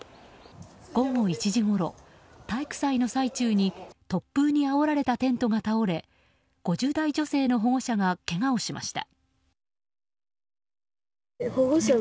午後１時ごろ、体育祭の最中に突風にあおられたテントが倒れ５０代女性の保護者がけがをしました。